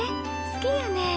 好きやねん。